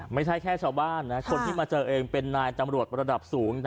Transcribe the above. ไม่ใช่แค่ชาวบ้านนะคนที่มาเจอเองเป็นนายตำรวจระดับสูง